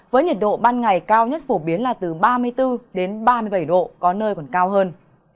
với nhiệt độ ban ngày cao nhất phổ biến là từ ba mươi bốn đến ba mươi bảy độ có nơi còn cao hơn